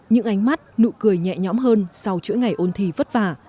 những ánh mắt nụ cười nhẹ nhõm hơn sau chuỗi ngày ôn thi vất vả